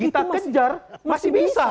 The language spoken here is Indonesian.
kita kejar masih bisa